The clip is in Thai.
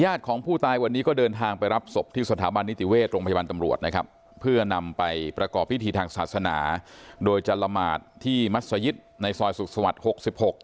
ของผู้ตายวันนี้ก็เดินทางไปรับศพที่สถาบันนิติเวชโรงพยาบาลตำรวจนะครับเพื่อนำไปประกอบพิธีทางศาสนาโดยจะละหมาดที่มัศยิตในซอยสุขสวรรค์๖๖